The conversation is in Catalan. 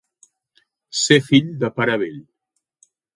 Ser fill de pare vell.